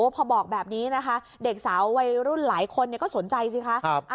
พอบอกแบบนี้นะคะเด็กสาววัยรุ่นหลายคนก็สนใจสิคะ